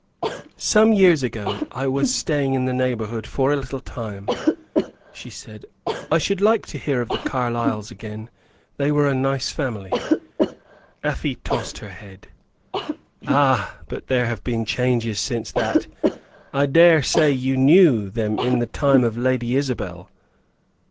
"Some years ago I was staying in the neighborhood for a little time," she said. "I should like to hear of the Carlyles again; they were a nice family." Afy tossed her head. "Ah! But there have been changes since that. I dare say you knew them in the time of Lady Isabel?"